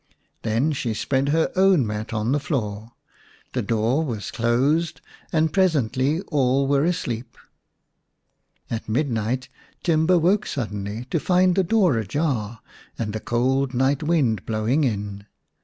Then she spread her own mat on the floor, the door was closed, and presently all were asleep. At midnight Timba woke suddenly to find the door ajar, and the cold night wind blowing in.